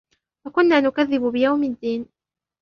وَكُنَّا نُكَذِّبُ بِيَوْمِ الدِّينِ